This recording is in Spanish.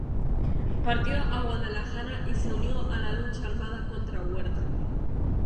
Partió a Guadalajara y se unió a la lucha armada contra Huerta.